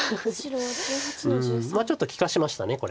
うんちょっと利かしましたこれは。